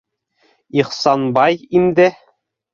Ихсанбай инде